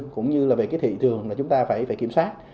cũng như là về cái thị trường là chúng ta phải kiểm soát